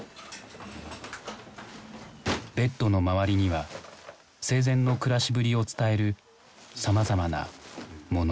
ベッドの周りには生前の暮らしぶりを伝えるさまざまな「モノ」。